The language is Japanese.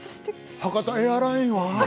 博多エアラインは？